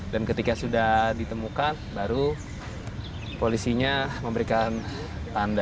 dan ketika sudah ditemukan baru polisinya memberikan tanda